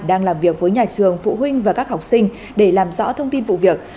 đang làm việc với nhà trường phụ huynh và các học sinh để làm rõ thông tin vụ việc